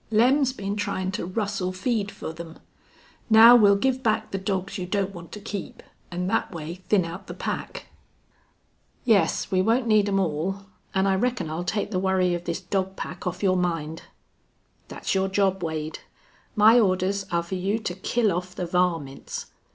Lem's been tryin' to rustle feed fer them. Now we'll give back the dogs you don't want to keep, an' thet way thin out the pack." "Yes, we won't need `em all. An' I reckon I'll take the worry of this dog pack off your mind." "Thet's your job, Wade. My orders are fer you to kill off the varmints.